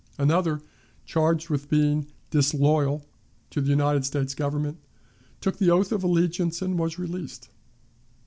Another, charged with being "disloyal" to the United States Government, took the oath of allegiance, and was released.